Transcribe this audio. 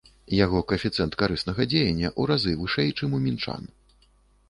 Яго каэфіцыент карыснага дзеяння ў разы вышэй, чым у мінчан.